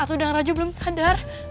atu dan rajong belum sadar